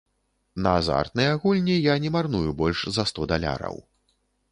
На азартныя гульні я не марную больш за сто даляраў.